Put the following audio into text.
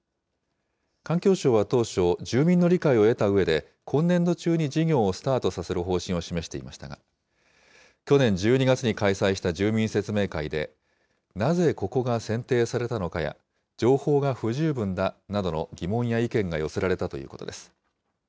環境省は当初、住民の理解を得たうえで、今年度中に事業をスタートさせる方針を示していましたが、去年１２月に開催した住民説明会で、なぜここが選定されたのかや、情報が不十分だなどの疑問や意見が寄せられたということです。